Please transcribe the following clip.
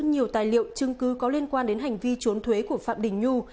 nhiều tài liệu chứng cứ có liên quan đến hành vi trốn thuế của phạm đình nhu